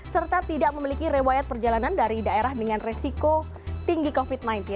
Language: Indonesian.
serta tidak memiliki rewayat perjalanan dari daerah dengan resiko tinggi covid sembilan belas